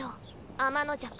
あまのじゃく。